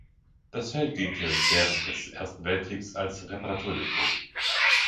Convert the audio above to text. Das Feld diente während des Ersten Weltkriegs als Reparaturdepot.